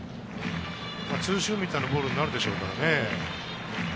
ツーシームみたいなボールになるでしょうからね。